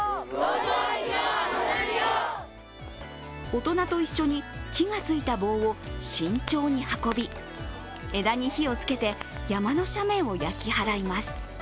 大人と一緒に、火ついた棒を慎重に運び、枝に火をつけて山の斜面を焼き払います。